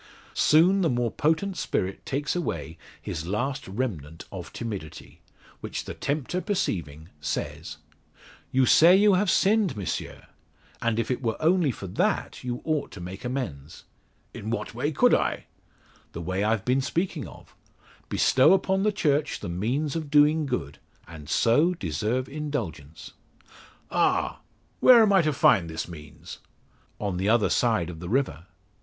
Soon the more potent spirit takes away his last remnant of timidity, which the tempter perceiving, says: "You say you have sinned, Monsieur. And if it were only for that you ought to make amends." "In what way could I?" "The way I've been speaking of. Bestow upon the Church the means of doing good, and so deserve indulgence." "Ah! where am I to find this means?" "On the other side of the river."